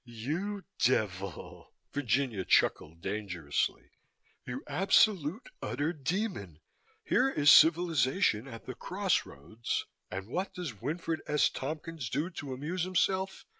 "You devil!" Virginia chuckled dangerously. "You absolute, utter demon! Here is civilization at the crossroads and what does Winfred S. Tompkins do to amuse himself.